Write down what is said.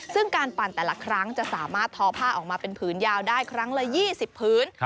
ซึ่งการปั่นแต่ละครั้งจะสามารถทอผ้าออกมาเป็นผืนยาวได้ครั้งละ๒๐พื้น